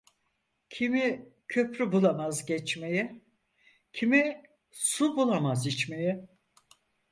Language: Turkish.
Kimi köprü bulamaz geçmeye, kimi su bulamaz içmeye.